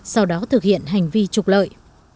sau đó thực hiện hành vi trục lợi